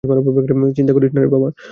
চিন্তা করিস না বাবা।